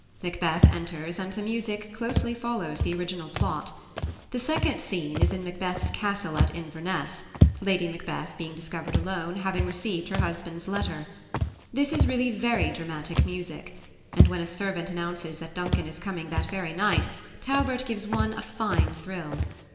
Macbeth enters, and the music closely follows the original plot. The second scene is in Macbeth's castle at Inverness, Lady Macbeth being discovered alone, having received her husband's letter. This is really very dramatic music; and when a servant announces that Duncan is coming that very night, Taubert gives one a fine thrill.